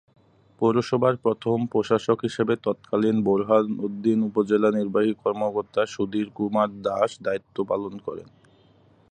পৌরসভার প্রথম প্রশাসক হিসেবে তৎকালীন বোরহানউদ্দিন উপজেলা নির্বাহী কর্মকর্তা সুধীর কুমার দাস দায়িত্ব পালন করেন।